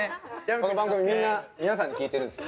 この番組、皆さんに聞いてるんです。